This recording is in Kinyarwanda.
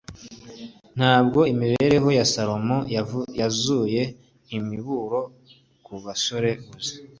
ntabwo imibereho ya salomo yuzuye imiburo ku basore gusa